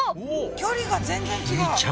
距離が全然違う。